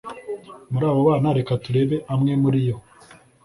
muri abo bana Reka turebe amwe muri yo